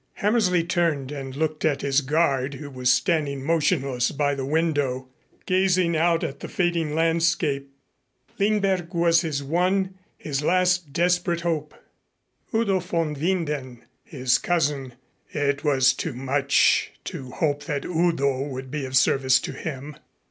Hammersley turned and looked at his guard who was standing motionless by the window, gazing out at the fading landscape. Lindberg was his one, his last desperate hope. Udo von Winden, his cousin It was too much to hope that Udo would be of service to him.